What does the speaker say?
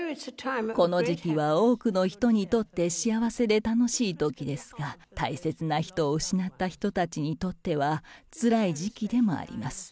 この時期は多くの人にとって幸せで楽しいときですが、大切な人を失った人たちにとっては、つらい時期でもあります。